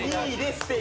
ステイ。